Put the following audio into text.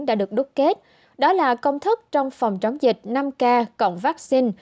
đã được đúc kết đó là công thức trong phòng chống dịch năm k cộng vaccine